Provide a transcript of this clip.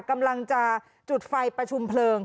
กำลังจะจุดไฟประชุมเพลิง